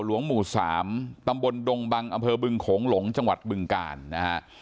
หลวงหมู่๓ตำบลดงบังอำเภอบึงโขงหลงจังหวัดบึงกาลนะฮะ